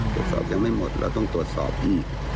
ตรวจสอบยังไม่หมดเราต้องตรวจสอบอืม